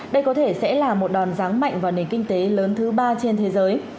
đây có thể sẽ là một đòn ráng mạnh vào nền kinh tế lớn thứ ba trên thế giới